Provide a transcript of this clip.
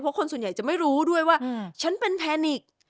เพราะคนส่วนใหญ่จะไม่รู้ด้วยว่าฉันเป็นแพนิก